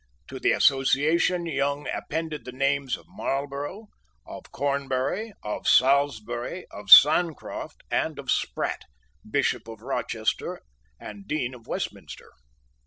To the Association Young appended the names of Marlborough, of Cornbury, of Salisbury, of Sancroft, and of Sprat, Bishop of Rochester and Dean of Westminster.